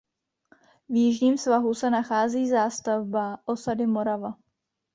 V jižním svahu se nachází zástavba osady Morava.